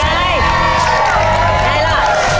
อย่างไรล่ะ